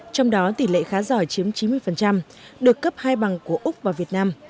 trong đó tỷ lệ khá giỏi chiếm chín mươi được cấp hai bằng của úc và việt nam